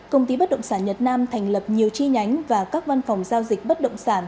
công ty bất động sản nhật nam thành lập nhiều chi nhánh và các văn phòng giao dịch bất động sản